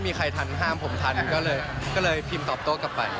มีใครทันห้ามผมทันก็เลยพิมพ์ตอบโต้กลับไป